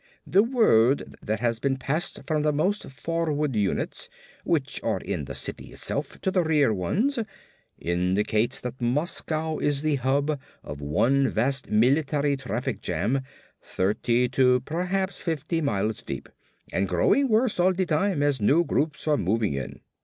The word that has been passed from the most forward units, which are in the city itself, to the rear ones, indicates that Moscow is the hub of one vast military traffic jam thirty to perhaps fifty miles deep and growing worse all the time as new groups are moving in."